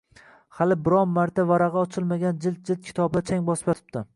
hali biron marta varag‘i ochilmagan jild-jild kitoblar chang bosib yotibdi.